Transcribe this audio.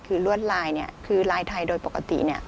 คือลวดลายเนี่ยคือลายไทยโดยปกติ